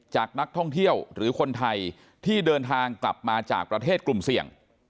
จากนักท่องเที่ยวหรือคนไทยที่เดินทางกลับมาจากประเทศกลุ่มเสี่ยง